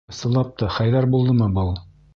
Ысынлап та Хәйҙәр булдымы был?